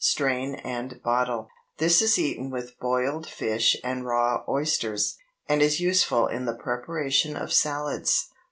Strain and bottle. This is eaten with boiled fish and raw oysters, and is useful in the preparation of salads.